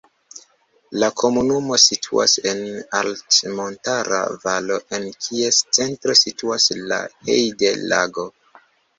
La komunumo situas en altmontara valo en kies centro situas la Heide-Lago.